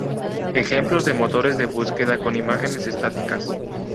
Ejemplos de motores de búsqueda con imágenes estáticas.